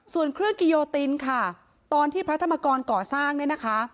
ส่วนเครื่องกิโยตินค่ะตอนที่พระธรรมกรก่อสร้างเนี่ยนะคะ